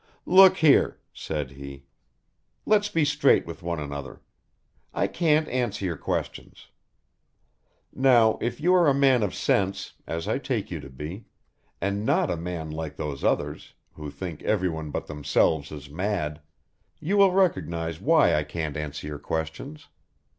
"Look here," said he, "let's be straight with one another. I can't answer your questions. Now if you are a man of sense, as I take you to be, and not a man like those others, who think everyone but themselves is mad, you will recognize why I can't answer your questions.